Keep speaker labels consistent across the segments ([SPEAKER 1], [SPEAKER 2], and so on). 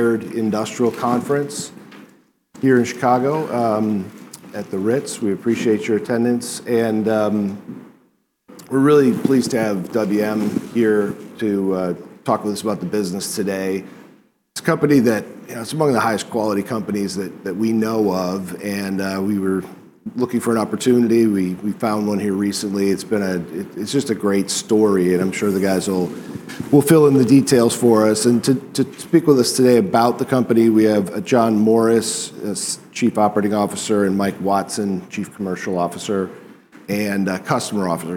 [SPEAKER 1] Baird Industrial Conference here in Chicago at The Ritz-Carlton. We appreciate your attendance, and we're really pleased to have WM here to talk with us about the business today. It's a company that's among the highest quality companies that we know of, and we were looking for an opportunity. We found one here recently. It's just a great story, and I'm sure the guys will fill in the details for us. To speak with us today about the company, we have John Morris, Chief Operating Officer, and Mike Watson, Chief Customer Officer,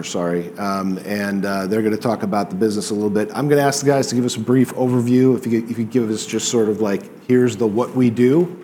[SPEAKER 1] sorry. They're going to talk about the business a little bit. I'm going to ask the guys to give us a brief overview. If you could give us just sort of like, "Here's what we do,"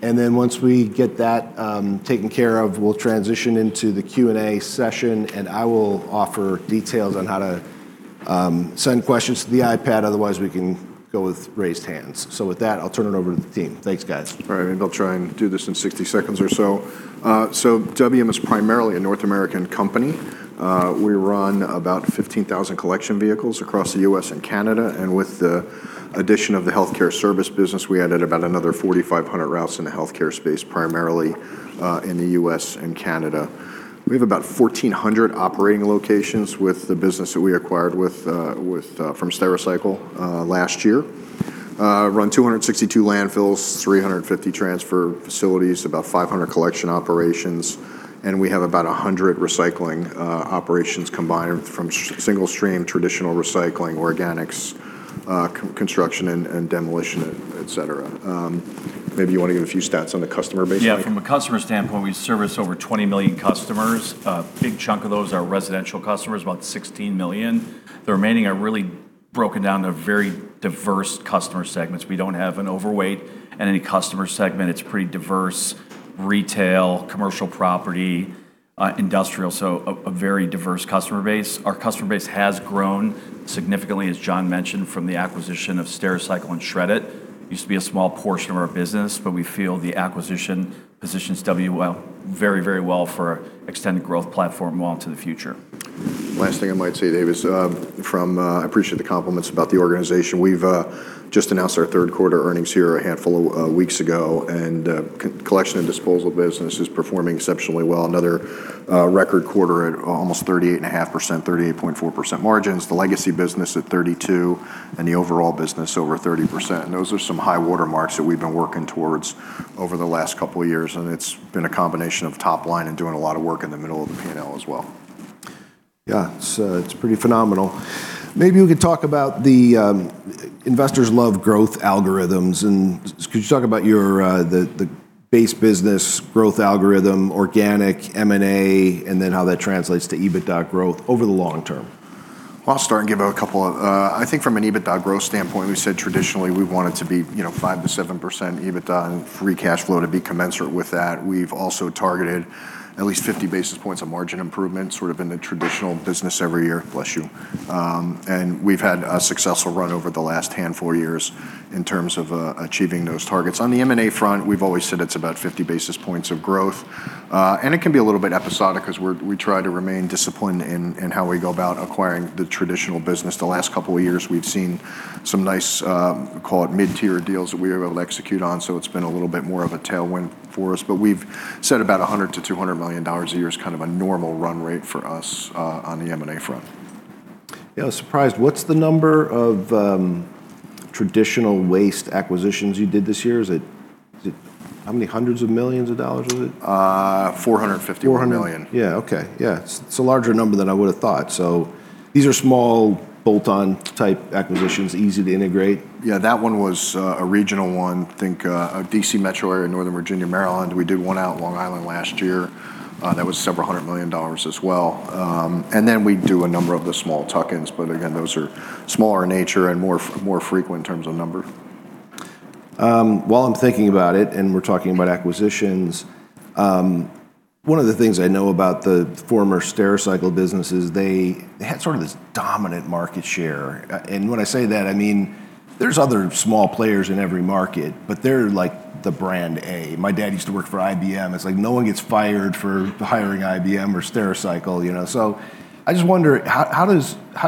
[SPEAKER 1] and then once we get that taken care of, we'll transition into the Q&A session, and I will offer details on how to send questions to the iPad. Otherwise, we can go with raised hands. So with that, I'll turn it over to the team. Thanks, guys.
[SPEAKER 2] All right, I think I'll try and do this in 60 seconds or so. So WM is primarily a North American company. We run about 15,000 collection vehicles across the U.S. and Canada, and with the addition of the healthcare service business, we added about another 4,500 routes in the healthcare space, primarily in the U.S. and Canada. We have about 1,400 operating locations with the business that we acquired from Stericycle last year. Run 262 landfills, 350 transfer facilities, about 500 collection operations, and we have about 100 recycling operations combined from single stream, traditional recycling, organics, construction, and demolition, etc. Maybe you want to give a few stats on the customer base.
[SPEAKER 3] Yeah, from a customer standpoint, we service over 20 million customers. A big chunk of those are residential customers, about 16 million. The remaining are really broken down to very diverse customer segments. We don't have an overweight in any customer segment. It's pretty diverse: retail, commercial property, industrial, so a very diverse customer base. Our customer base has grown significantly, as John mentioned, from the acquisition of Stericycle and Shred-it. It used to be a small portion of our business, but we feel the acquisition positions WM very, very well for extended growth platform well into the future.
[SPEAKER 2] Last thing I might say, Dave, is, I appreciate the compliments about the organization. We've just announced our Q3 earnings here a handful of weeks ago, and collection and disposal business is performing exceptionally well. Another record quarter at almost 38.5%, 38.4% margins, the legacy business at 32%, and the overall business over 30%. And those are some high watermarks that we've been working towards over the last couple of years, and it's been a combination of top line and doing a lot of work in the middle of the P&L as well.
[SPEAKER 1] Yeah, it's pretty phenomenal. Maybe we could talk about the investors love growth algorithms, and could you talk about your base business growth algorithm, organic, M&A, and then how that translates to EBITDA growth over the long term?
[SPEAKER 2] I'll start and give a couple of, I think from an EBITDA growth standpoint, we said traditionally we want it to be 5%-7% EBITDA and free cash flow to be commensurate with that. We've also targeted at least 50 basis points of margin improvement, sort of in the traditional business every year, bless you. And we've had a successful run over the last handful of years in terms of achieving those targets. On the M&A front, we've always said it's about 50 basis points of growth, and it can be a little bit episodic because we try to remain disciplined in how we go about acquiring the traditional business. The last couple of years, we've seen some nice, call it mid-tier deals that we were able to execute on, so it's been a little bit more of a tailwind for us. But we've said about $100 milion-$200 million a year is kind of a normal run rate for us on the M&A front.
[SPEAKER 1] Yeah, I was surprised. What's the number of traditional waste acquisitions you did this year? How many hundreds of millions of dollars is it?
[SPEAKER 2] &450 million.
[SPEAKER 1] $400 million. Yeah, okay. Yeah, it's a larger number than I would have thought. So these are small bolt-on type acquisitions, easy to integrate.
[SPEAKER 2] Yeah, that one was a regional one. I think D.C. Metro area in Northern Virginia, Maryland. We did one out in Long Island last year that was $700 million as well, and then we do a number of the small tuck-ins, but again, those are smaller in nature and more frequent in terms of number.
[SPEAKER 1] While I'm thinking about it and we're talking about acquisitions, one of the things I know about the former Stericycle business is they had sort of this dominant market share. And when I say that, I mean there's other small players in every market, but they're like the brand A. My dad used to work for IBM. It's like no one gets fired for hiring IBM or Stericycle. So I just wonder, how do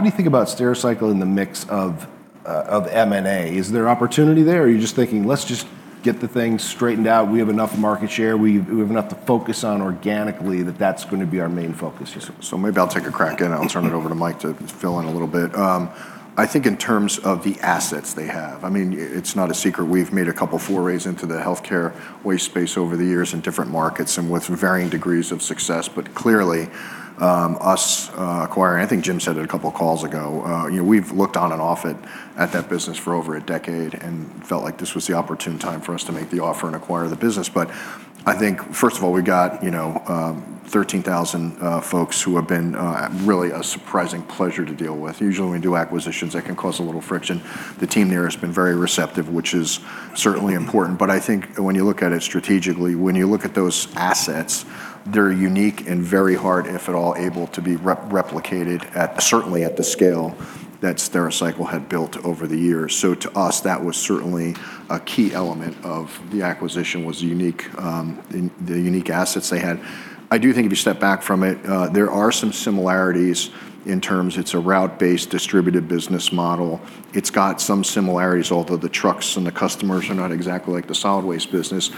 [SPEAKER 1] you think about Stericycle in the mix of M&A? Is there opportunity there or are you just thinking, "Let's just get the thing straightened out. We have enough market share. We have enough to focus on organically that that's going to be our main focus?
[SPEAKER 2] So maybe I'll take a crack at it. I'll turn it over to Mike to fill in a little bit. I think in terms of the assets they have, I mean, it's not a secret. We've made a couple of forays into the healthcare waste space over the years in different markets and with varying degrees of success, but clearly us acquiring, I think Jim said it a couple of calls ago, we've looked on and off at that business for over a decade and felt like this was the opportune time for us to make the offer and acquire the business. But I think, first of all, we've got 13,000 folks who have been really a surprising pleasure to deal with. Usually when we do acquisitions, that can cause a little friction. The team there has been very receptive, which is certainly important. But I think when you look at it strategically, when you look at those assets, they're unique and very hard, if at all, able to be replicated certainly at the scale that Stericycle had built over the years. So to us, that was certainly a key element of the acquisition, was the unique assets they had. I do think if you step back from it, there are some similarities in terms it's a route-based distributed business model. It's got some similarities, although the trucks and the customers are not exactly like the solid waste business.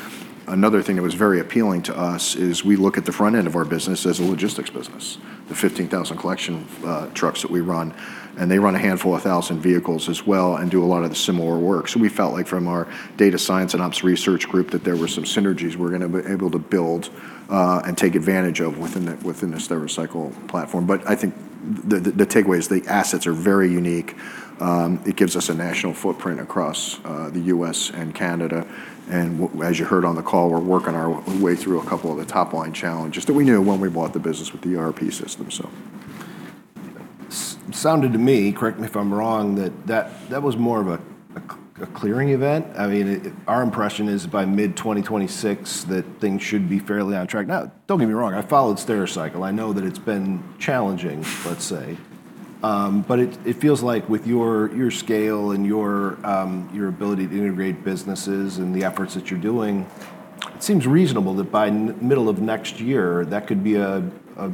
[SPEAKER 2] Another thing that was very appealing to us is we look at the front end of our business as a logistics business, the 15,000 collection trucks that we run, and they run a handful of thousand vehicles as well and do a lot of the similar work. So we felt like from our data science and ops research group that there were some synergies we were going to be able to build and take advantage of within the Stericycle platform. But I think the takeaway is the assets are very unique. It gives us a national footprint across the U.S. and Canada. And as you heard on the call, we're working our way through a couple of the top line challenges that we knew when we bought the business with the ERP system.
[SPEAKER 1] Sounded to me, correct me if I'm wrong, that that was more of a clearing event. I mean, our impression is by mid-2026 that things should be fairly on track. Now, don't get me wrong, I followed Stericycle. I know that it's been challenging, let's say, but it feels like with your scale and your ability to integrate businesses and the efforts that you're doing, it seems reasonable that by middle of next year, that could be a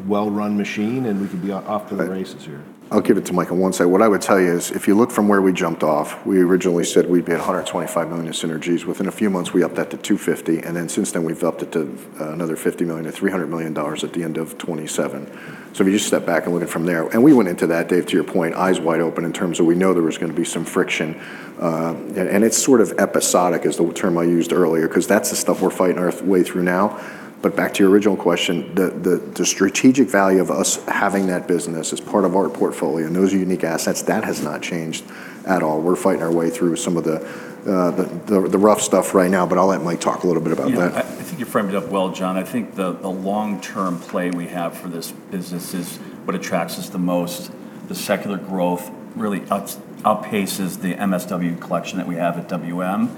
[SPEAKER 1] well-run machine and we could be off to the races here.
[SPEAKER 2] I'll give it to Mike on one side. What I would tell you is if you look from where we jumped off, we originally said we'd be at $125 million in synergies. Within a few months, we upped that to $250 million, and then since then we've upped it to another $50 million or $300 million at the end of 2027. So if you just step back and look at it from there, and we went into that, Dave, to your point, eyes wide open in terms of we know there was going to be some friction, and it's sort of episodic is the term I used earlier because that's the stuff we're fighting our way through now. But back to your original question, the strategic value of us having that business as part of our portfolio and those unique assets, that has not changed at all. We're fighting our way through some of the rough stuff right now, but I'll let Mike talk a little bit about that.
[SPEAKER 3] I think you framed it up well, John. I think the long-term play we have for this business is what attracts us the most. The secular growth really outpaces the MSW collection that we have at WM.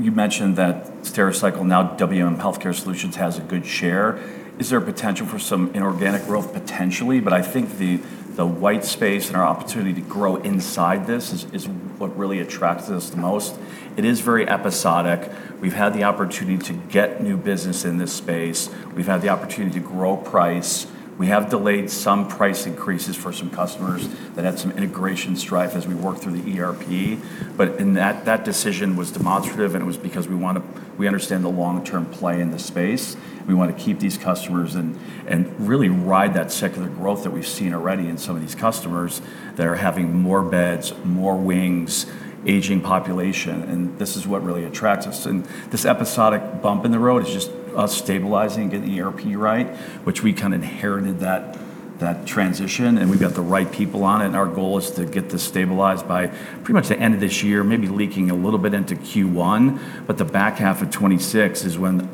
[SPEAKER 3] You mentioned that Stericycle, now WM Healthcare Solutions, has a good share. Is there a potential for some inorganic growth? Potentially, but I think the white space and our opportunity to grow inside this is what really attracts us the most. It is very episodic. We've had the opportunity to get new business in this space. We've had the opportunity to grow price. We have delayed some price increases for some customers that had some integration strife as we worked through the ERP, but that decision was demonstrative and it was because we understand the long-term play in this space. We want to keep these customers and really ride that secular growth that we've seen already in some of these customers that are having more beds, more wings, aging population, and this is what really attracts us. This episodic bump in the road is just us stabilizing and getting the ERP right, which we kind of inherited that transition, and we've got the right people on it, and our goal is to get this stabilized by pretty much the end of this year, maybe leaking a little bit into Q1, but the back half of 2026 is when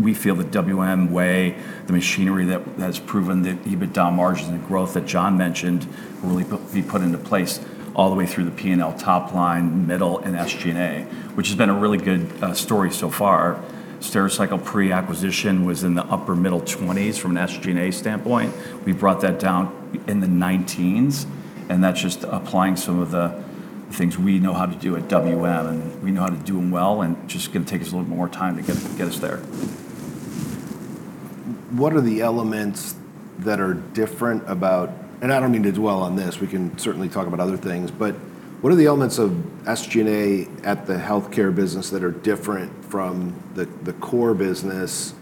[SPEAKER 3] we feel that WM way, the machinery that has proven that EBITDA margins and growth that John mentioned will really be put into place all the way through the P&L top line, middle, and SG&A, which has been a really good story so far. Stericycle pre-acquisition was in the upper middle 20s from an SG&A standpoint. We brought that down in the 19s, and that's just applying some of the things we know how to do at WM, and we know how to do them well, and it's just going to take us a little bit more time to get us there.
[SPEAKER 1] What are the elements that are different about, and I don't need to dwell on this. We can certainly talk about other things, but what are the elements of SG&A at the healthcare business that are different from the core business?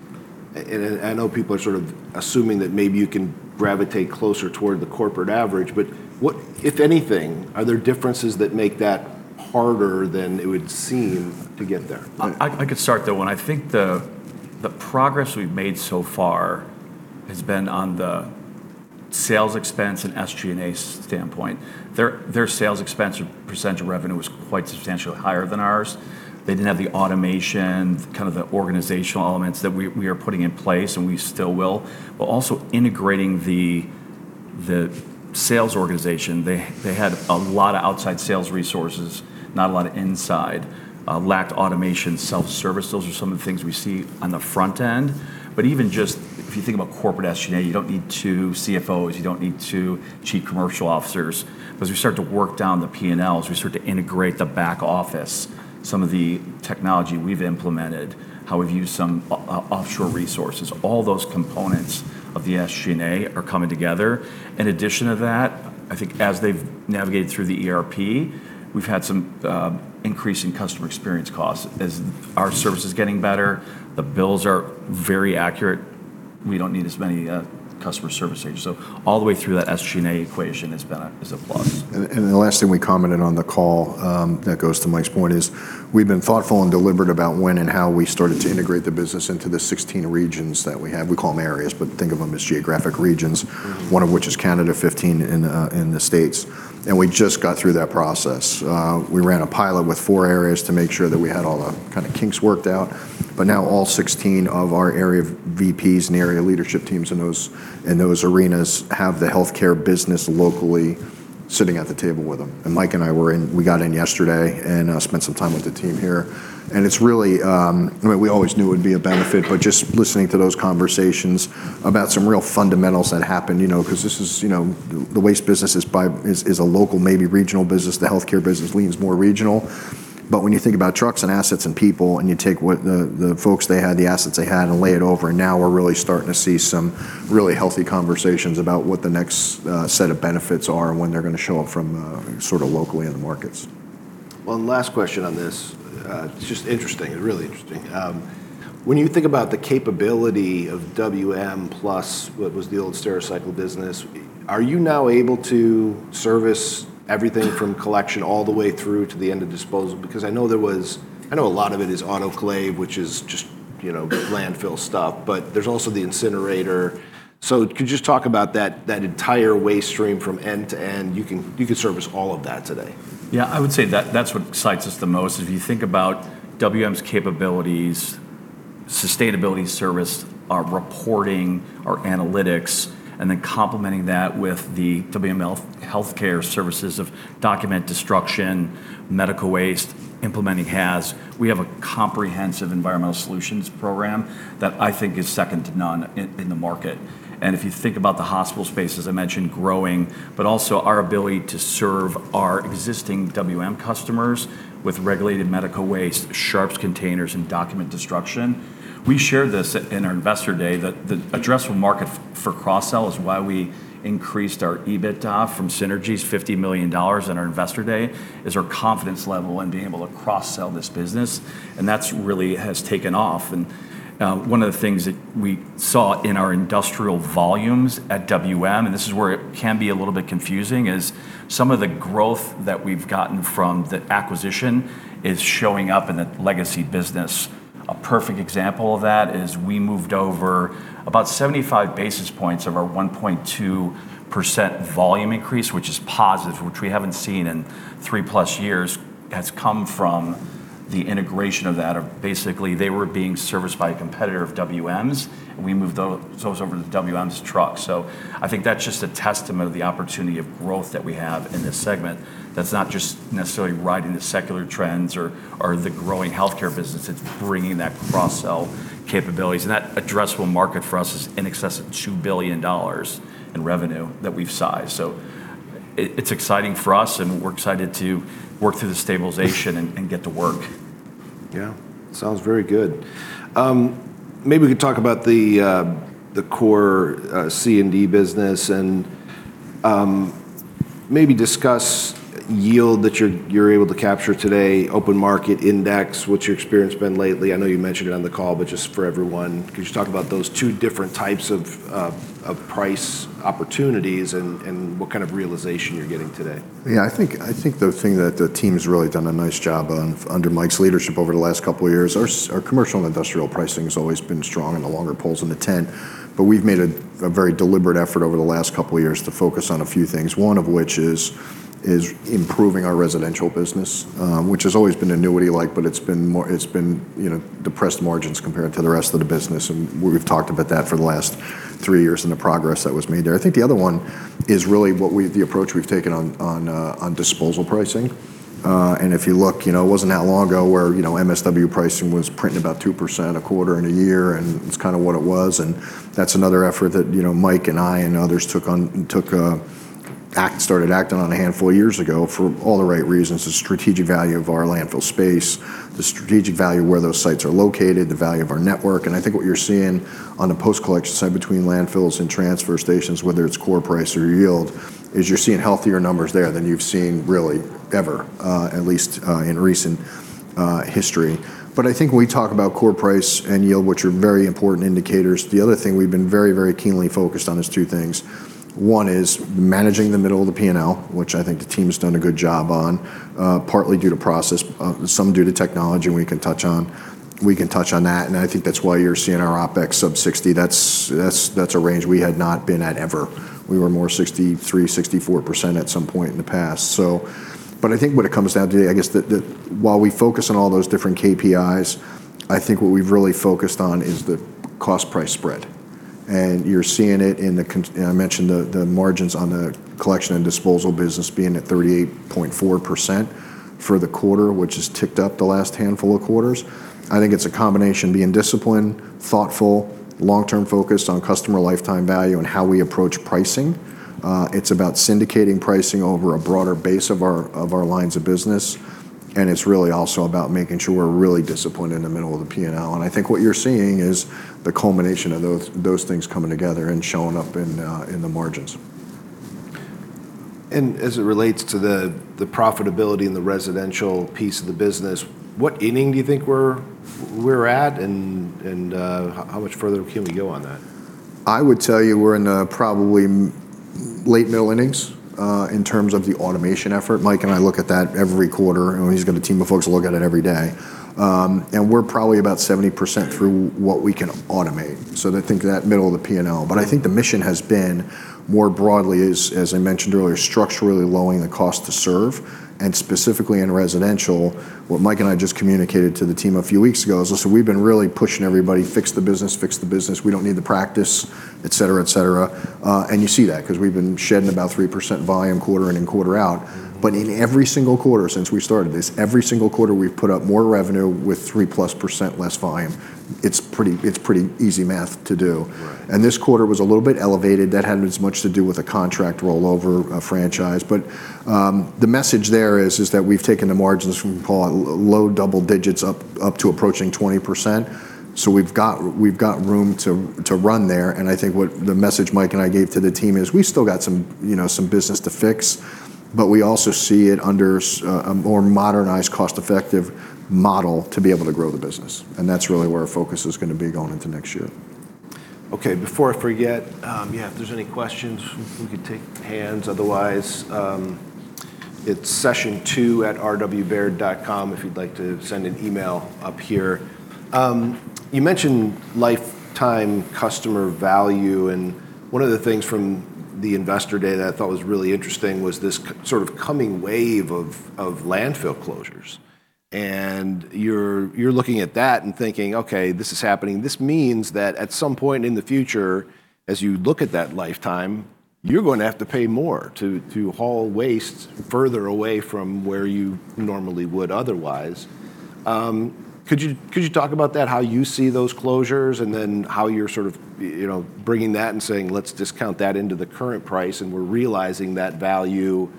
[SPEAKER 1] I know people are sort of assuming that maybe you can gravitate closer toward the corporate average, but what, if anything, are there differences that make that harder than it would seem to get there?
[SPEAKER 3] I could start there. One. I think the progress we've made so far has been on the sales expense and SG&A standpoint. Their sales expense percentage of revenue was quite substantially higher than ours. They didn't have the automation, kind of the organizational elements that we are putting in place and we still will, but also integrating the sales organization. They had a lot of outside sales resources, not a lot of inside, lacked automation, self-service. Those are some of the things we see on the front end. But even just if you think about corporate SG&A, you don't need two CFOs, you don't need two Chief Commercial Officers. But as we start to work down the P&Ls, we start to integrate the back office, some of the technology we've implemented, how we've used some offshore resources. All those components of the SG&A are coming together. In addition to that, I think as they've navigated through the ERP, we've had some increasing customer experience costs. As our service is getting better, the bills are very accurate. We don't need as many customer service agents. So all the way through that SG&A equation has been a plus.
[SPEAKER 2] And the last thing we commented on the call that goes to Mike's point is we've been thoughtful and deliberate about when and how we started to integrate the business into the 16 regions that we have. We call them areas, but think of them as geographic regions, one of which is Canada, 15 in the States. And we just got through that process. We ran a pilot with four areas to make sure that we had all the kind of kinks worked out, but now all 16 of our area VPs and area leadership teams in those arenas have the healthcare business locally sitting at the table with them. And Mike and I were in, we got in yesterday and spent some time with the team here. It's really, I mean, we always knew it would be a benefit, but just listening to those conversations about some real fundamentals that happened, you know, because this is, you know, the waste business is a local, maybe regional business. The healthcare business leans more regional, but when you think about trucks and assets and people and you take what the folks they had, the assets they had and lay it over, now we're really starting to see some really healthy conversations about what the next set of benefits are and when they're going to show up from sort of locally in the markets.
[SPEAKER 1] One last question on this. It's just interesting, really interesting. When you think about the capability of WM plus what was the old Stericycle business, are you now able to service everything from collection all the way through to the end of disposal? Because I know there was, I know a lot of it is autoclave, which is just, you know, landfill stuff, but there's also the incinerator. So could you just talk about that entire waste stream from end to end? You could service all of that today.
[SPEAKER 3] Yeah, I would say that's what excites us the most. If you think about WM's capabilities, sustainability service, our reporting, our analytics, and then complementing that with the WM Healthcare services of document destruction, medical waste, implementing Haz. We have a comprehensive environmental solutions program that I think is second to none in the market, and if you think about the hospital space, as I mentioned, growing, but also our ability to serve our existing WM customers with regulated medical waste, sharps containers, and document destruction. We shared this in our Investor Day that the addressable market for cross-sell is why we increased our EBITDA from synergies, $50 million in our Investor Day, is our confidence level in being able to cross-sell this business, and that's really has taken off. One of the things that we saw in our industrial volumes at WM, and this is where it can be a little bit confusing, is some of the growth that we've gotten from the acquisition is showing up in the legacy business. A perfect example of that is we moved over about 75 basis points of our 1.2% volume increase, which is positive, which we haven't seen in three plus years, has come from the integration of that of basically they were being serviced by a competitor of WM's, and we moved those over to WM's trucks. I think that's just a testament of the opportunity of growth that we have in this segment. That's not just necessarily riding the secular trends or the growing healthcare business. It's bringing that cross-sell capabilities. And that addressable market for us is in excess of $2 billion in revenue that we've sized. So it's exciting for us, and we're excited to work through the stabilization and get to work.
[SPEAKER 1] Yeah, sounds very good. Maybe we could talk about the core C&D business and maybe discuss yield that you're able to capture today, open market index, what's your experience been lately? I know you mentioned it on the call, but just for everyone, could you talk about those two different types of price opportunities and what kind of realization you're getting today?
[SPEAKER 2] Yeah, I think the thing that the team's really done a nice job on under Mike's leadership over the last couple of years, our commercial and industrial pricing has always been strong in the longer haul in intent, but we've made a very deliberate effort over the last couple of years to focus on a few things, one of which is improving our residential business, which has always been annuity-like, but it's been depressed margins compared to the rest of the business, and we've talked about that for the last three years and the progress that was made there. I think the other one is really the approach we've taken on disposal pricing, and if you look, you know, it wasn't that long ago where MSW pricing was printing about 2% a quarter in a year, and it's kind of what it was. And that's another effort that Mike and I and others took on, started acting on a handful of years ago for all the right reasons. The strategic value of our landfill space, the strategic value of where those sites are located, the value of our network. And I think what you're seeing on the post-collection side between landfills and transfer stations, whether it's core price or yield, is you're seeing healthier numbers there than you've seen really ever, at least in recent history. But I think when we talk about core price and yield, which are very important indicators, the other thing we've been very, very keenly focused on is two things. One is managing the middle of the P&L, which I think the team has done a good job on, partly due to process, some due to technology we can touch on. We can touch on that. And I think that's why you're seeing our OPEX sub 60. That's a range we had not been at ever. We were more 63%-64% at some point in the past. So, but I think what it comes down to, I guess that while we focus on all those different KPIs, I think what we've really focused on is the cost-price spread. And you're seeing it in the, I mentioned the margins on the collection and disposal business being at 38.4% for the quarter, which has ticked up the last handful of quarters. I think it's a combination being disciplined, thoughtful, long-term focused on customer lifetime value and how we approach pricing. It's about syndicating pricing over a broader base of our lines of business. And it's really also about making sure we're really disciplined in the middle of the P&L. I think what you're seeing is the culmination of those things coming together and showing up in the margins.
[SPEAKER 1] As it relates to the profitability and the residential piece of the business, what inning do you think we're at and how much further can we go on that?
[SPEAKER 2] I would tell you we're in probably the late middle innings in terms of the automation effort. Mike and I look at that every quarter and he's got a team of folks look at it every day. And we're probably about 70% through what we can automate. So I think that middle of the P&L. But I think the mission has been more broadly, as I mentioned earlier, structurally lowering the cost to serve. And specifically in residential, what Mike and I just communicated to the team a few weeks ago is, listen, we've been really pushing everybody, fix the business, fix the business. We don't need the practice, et cetera, et cetera. And you see that because we've been shedding about 3% volume quarter in and quarter out. But in every single quarter since we started, every single quarter we've put up more revenue with 3% plus less volume. It's pretty easy math to do. And this quarter was a little bit elevated. That hadn't as much to do with a contract rollover, a franchise. But the message there is that we've taken the margins from low double digits up to approaching 20%. So we've got room to run there. And I think what the message Mike and I gave to the team is we still got some business to fix, but we also see it under a more modernized cost-effective model to be able to grow the business. And that's really where our focus is going to be going into next year.
[SPEAKER 1] Okay, before I forget, yeah, if there's any questions, we could take hands. Otherwise, it's session2@rwbaird.com if you'd like to send an email up here. You mentioned lifetime customer value, and one of the things from the Investor Day that I thought was really interesting was this sort of coming wave of landfill closures, and you're looking at that and thinking, okay, this is happening. This means that at some point in the future, as you look at that lifetime, you're going to have to pay more to haul waste further away from where you normally would otherwise. Could you talk about that, how you see those closures and then how you're sort of bringing that and saying, let's discount that into the current price and we're realizing that value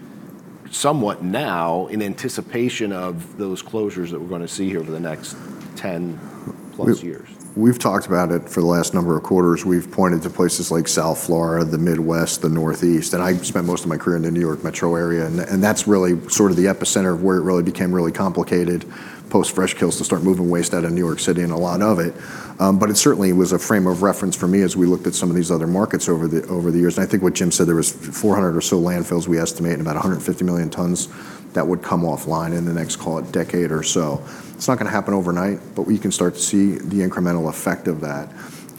[SPEAKER 1] somewhat now in anticipation of those closures that we're going to see here over the next 10 plus years?
[SPEAKER 2] We've talked about it for the last number of quarters. We've pointed to places like South Florida, the Midwest, the Northeast. And I spent most of my career in the New York metro area. And that's really sort of the epicenter of where it really became really complicated post-Fresh Kills to start moving waste out of New York City and a lot of it. But it certainly was a frame of reference for me as we looked at some of these other markets over the years. And I think what Jim said, there was 400 or so landfills we estimate and about 150 million tons that would come offline in the next, call it decade or so. It's not going to happen overnight, but we can start to see the incremental effect of that.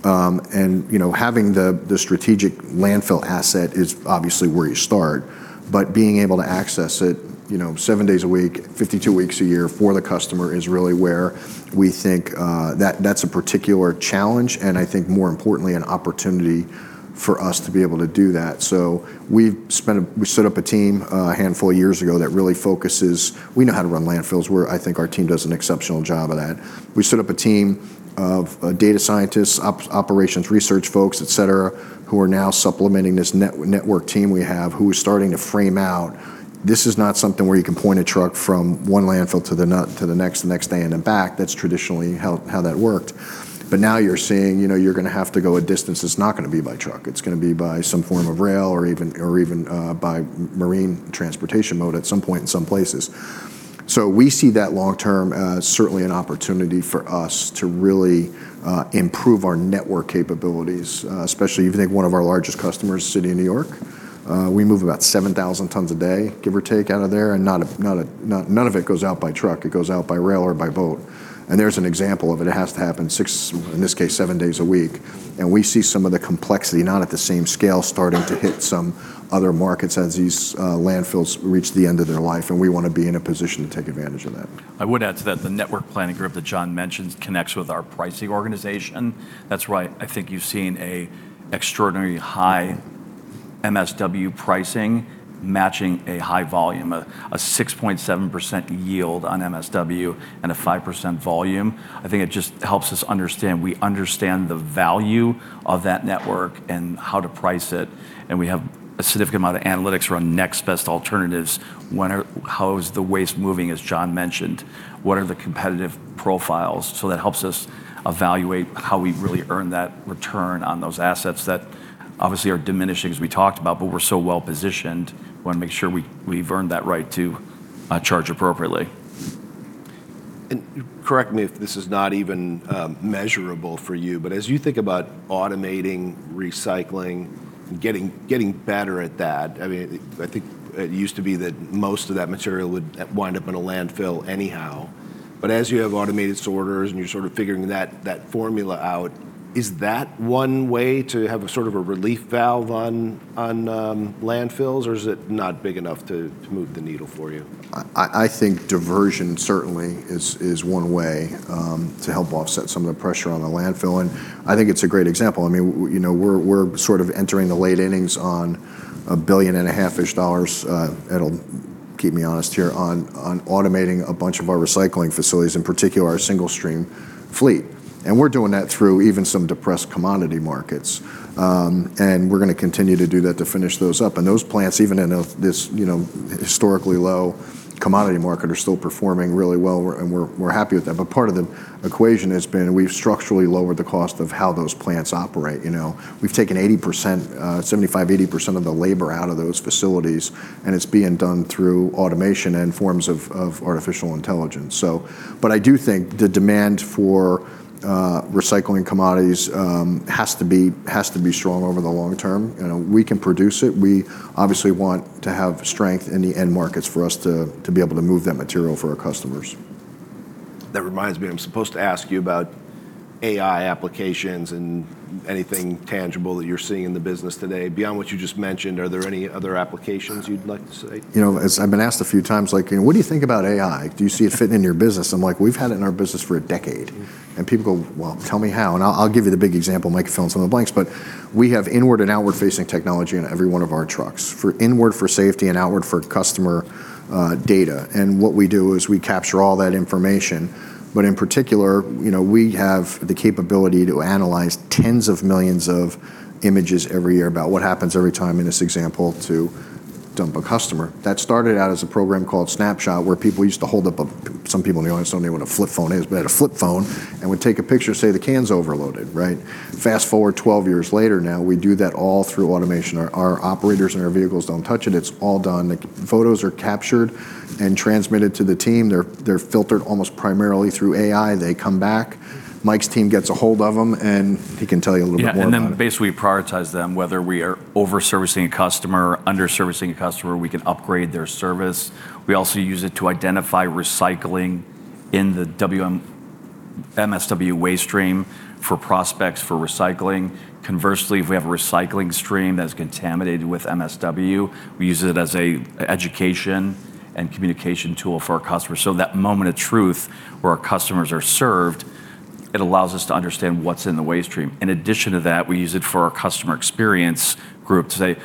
[SPEAKER 2] And having the strategic landfill asset is obviously where you start, but being able to access it seven days a week, 52 weeks a year for the customer is really where we think that that's a particular challenge and I think more importantly an opportunity for us to be able to do that. So we've set up a team a handful of years ago that really focuses, we know how to run landfills where I think our team does an exceptional job of that. We set up a team of data scientists, operations research folks, et cetera, who are now supplementing this network team we have who is starting to frame out. This is not something where you can point a truck from one landfill to the next day and then back. That's traditionally how that worked. But now you're seeing, you know, you're going to have to go a distance. It's not going to be by truck. It's going to be by some form of rail or even by marine transportation mode at some point in some places. So we see that long term, certainly an opportunity for us to really improve our network capabilities, especially if you think one of our largest customers is the city of New York. We move about 7,000 tons a day, give or take out of there. And none of it goes out by truck. It goes out by rail or by boat. And there's an example of it. It has to happen six, in this case, seven days a week. And we see some of the complexity, not at the same scale, starting to hit some other markets as these landfills reach the end of their life. And we want to be in a position to take advantage of that.
[SPEAKER 3] I would add to that the network planning group that John mentioned connects with our pricing organization. That's why I think you've seen an extraordinary high MSW pricing matching a high volume, a 6.7% yield on MSW and a 5% volume. I think it just helps us understand. We understand the value of that network and how to price it, and we have a significant amount of analytics around next best alternatives. How is the waste moving, as John mentioned? What are the competitive profiles? So that helps us evaluate how we really earn that return on those assets that obviously are diminishing, as we talked about, but we're so well positioned. We want to make sure we've earned that right to charge appropriately.
[SPEAKER 1] And correct me if this is not even measurable for you, but as you think about automating recycling, getting better at that, I mean, I think it used to be that most of that material would wind up in a landfill anyhow. But as you have automated sorters and you're sort of figuring that formula out, is that one way to have a sort of a relief valve on landfills, or is it not big enough to move the needle for you?
[SPEAKER 2] I think diversion certainly is one way to help offset some of the pressure on the landfill. And I think it's a great example. I mean, you know, we're sort of entering the late innings on $1.5 billion-ish, keep me honest here, on automating a bunch of our recycling facilities, in particular our single stream fleet. And we're doing that through even some depressed commodity markets. And we're going to continue to do that to finish those up. And those plants, even in this, you know, historically low commodity market, are still performing really well. And we're happy with that. But part of the equation has been we've structurally lowered the cost of how those plants operate. You know, we've taken 80%, 75%-80% of the labor out of those facilities. And it's being done through automation and forms of artificial intelligence. So, but I do think the demand for recycling commodities has to be strong over the long term. And we can produce it. We obviously want to have strength in the end markets for us to be able to move that material for our customers.
[SPEAKER 1] That reminds me, I'm supposed to ask you about AI applications and anything tangible that you're seeing in the business today. Beyond what you just mentioned, are there any other applications you'd like to say?
[SPEAKER 2] You know, I've been asked a few times, like, you know, what do you think about AI? Do you see it fitting in your business? I'm like, we've had it in our business for a decade. And people go, well, tell me how. And I'll give you the big example, Mike, filling some of the blanks, but we have inward and outward facing technology in every one of our trucks for inward for safety and outward for customer data. And what we do is we capture all that information. But in particular, you know, we have the capability to analyze tens of millions of images every year about what happens every time in this example to dump a customer. That started out as a program called Snapshot where people used to hold up, some people in the audience don't even know what a flip phone is, but had a flip phone and would take a picture, say the can's overloaded, right? Fast forward 12 years later, now we do that all through automation. Our operators and our vehicles don't touch it. It's all done. The photos are captured and transmitted to the team. They're filtered almost primarily through AI. They come back. Mike's team gets a hold of them and he can tell you a little bit more about it.
[SPEAKER 3] Yeah, and then basically we prioritize them whether we are over-servicing a customer, under-servicing a customer. We can upgrade their service. We also use it to identify recycling in the MSW waste stream for prospects for recycling. Conversely, if we have a recycling stream that's contaminated with MSW, we use it as an education and communication tool for our customers. So that moment of truth where our customers are served, it allows us to understand what's in the waste stream. In addition to that, we use it for our customer experience group to say,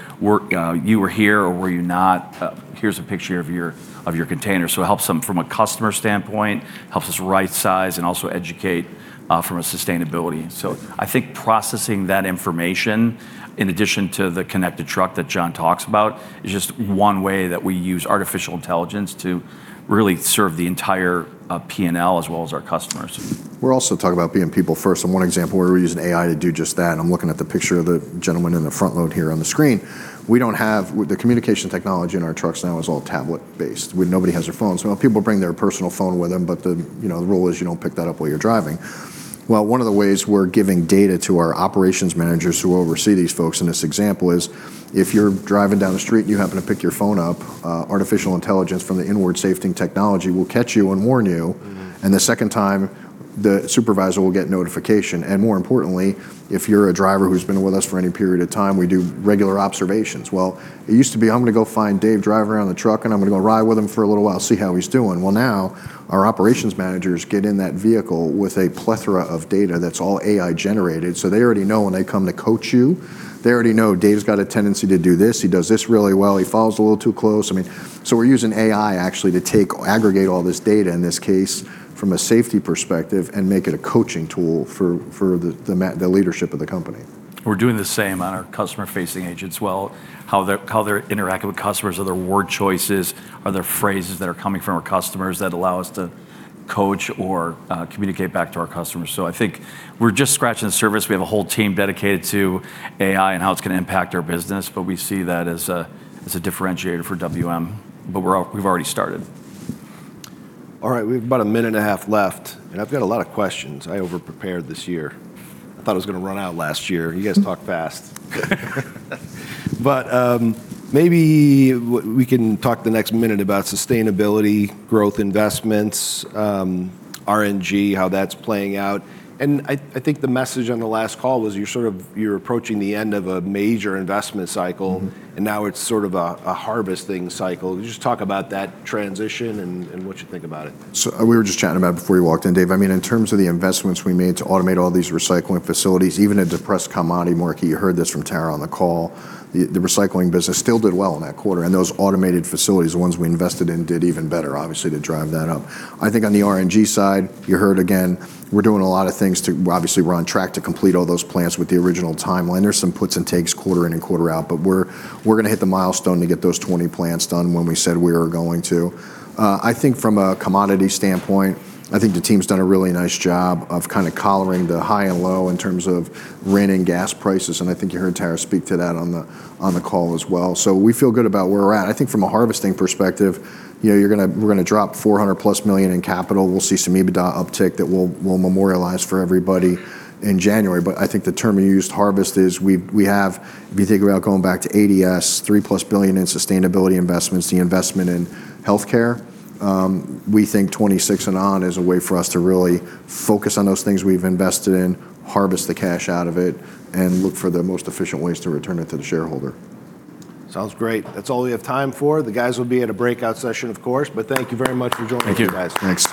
[SPEAKER 3] you were here or were you not? Here's a picture of your container. So it helps them from a customer standpoint, helps us right size, and also educate from a sustainability. I think processing that information in addition to the connected truck that John talks about is just one way that we use artificial intelligence to really serve the entire P&L as well as our customers.
[SPEAKER 2] We're also talking about being people first. One example where we're using AI to do just that, and I'm looking at the picture of the gentleman in the front-load here on the screen. We don't have the communication technology in our trucks; now it's all tablet-based. Nobody has a phone. So people bring their personal phone with them, but the rule is you don't pick that up while you're driving. Well, one of the ways we're giving data to our operations managers who oversee these folks in this example is if you're driving down the street and you happen to pick your phone up, artificial intelligence from the inward safety technology will catch you and warn you. And the second time, the supervisor will get notification. And more importantly, if you're a driver who's been with us for any period of time, we do regular observations. It used to be, I'm going to go find Dave, driver on the truck and I'm going to go ride with him for a little while, see how he's doing. Now our operationsazanagers get in that vehicle with a plethora of data that's all AI generated. So they already know when they come to coach you, they already know Dave's got a tendency to do this. He does this really well. He follows a little too close. I mean, so we're using AI actually to aggregate all this data in this case from a safety perspective and make it a coaching tool for the leadership of the company.
[SPEAKER 3] We're doing the same on our customer-facing agents, well, how they're interacting with customers, are their word choices, are there phrases that are coming from our customers that allow us to coach or communicate back to our customers, so I think we're just scratching the surface. We have a whole team dedicated to AI and how it's going to impact our business, but we see that as a differentiator for WM, but we've already started.
[SPEAKER 1] All right, we have about a minute and a half left. And I've got a lot of questions. I overprepared this year. I thought it was going to run out last year. You guys talk fast. But maybe we can talk the next minute about sustainability, growth investments, RNG, how that's playing out. And I think the message on the last call was you're sort of approaching the end of a major investment cycle and now it's sort of a harvesting cycle. Just talk about that transition and what you think about it?
[SPEAKER 2] So we were just chatting about it before you walked in, Dave. I mean, in terms of the investments we made to automate all these recycling facilities, even a depressed commodity market, you heard this from Tara on the call, the recycling business still did well in that quarter. And those automated facilities, the ones we invested in, did even better, obviously to drive that up. I think on the RNG side, you heard again, we're doing a lot of things to obviously we're on track to complete all those plants with the original timeline. There's some puts and takes quarter in and quarter out, but we're going to hit the milestone to get those 20 plants done when we said we were going to. I think from a commodity standpoint, I think the team's done a really nice job of kind of calling the high and low in terms of RNG and gas prices, and I think you heard Tara speak to that on the call as well, so we feel good about where we're at. I think from a harvesting perspective, you know, we're going to drop $400+ million in capital. We'll see some EBITDA uptick that we'll memorialize for everybody in January, but I think the term you used, harvest, is we have, if you think about going back to ADS, $3+ billion in sustainability investments, the investment in healthcare. We think 2026 and on is a way for us to really focus on those things we've invested in, harvest the cash out of it, and look for the most efficient ways to return it to the shareholder.
[SPEAKER 1] Sounds great. That's all we have time for. The guys will be at a breakout session, of course, but thank you very much for joining us, guys.